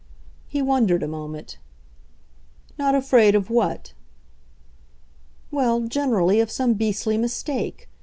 He wondered a moment. "Not afraid of what?" "Well, generally, of some beastly mistake.